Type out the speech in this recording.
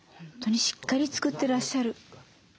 本当にしっかり作ってらっしゃる。